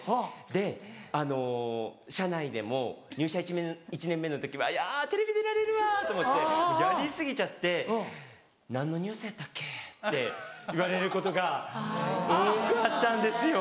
で社内でも入社１年目の時は「いやテレビ出られるわ」と思ってやり過ぎちゃって「何のニュースやったっけ？」って言われることが多かったんですよ。